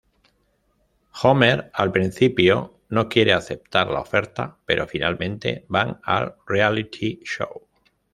Homer, al principio, no quiere aceptar la oferta, pero finalmente van al reality show.